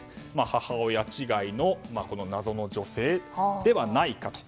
母親違いの謎の女性ではないかと。